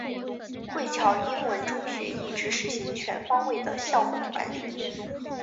惠侨英文中学一直实行全方位的校本管理。